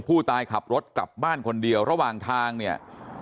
ผู้ตายขับรถกลับบ้านคนเดียวระหว่างทางเนี่ย